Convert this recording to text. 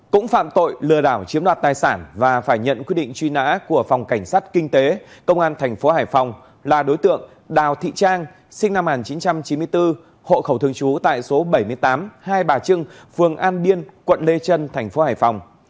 cũng phạm tội lừa đảo chiếm đoạt tài sản và phải nhận quyết định truy nã của phòng cảnh sát kinh tế công an thành phố hải phòng là đối tượng đào thị trang sinh năm một nghìn chín trăm chín mươi bốn hộ khẩu thường trú tại số bảy mươi tám hai bà trưng phường an biên quận lê trân thành phố hải phòng